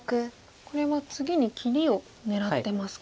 これは次に切りを狙ってますか。